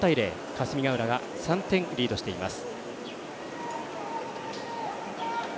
霞ヶ浦が３点リードしています。